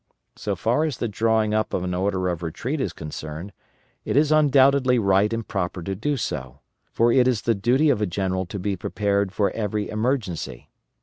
So far as the drawing up of an order of retreat is concerned, it ws undoubtedly right and proper to do so, for it is the duty of a general to be prepared for every emergency.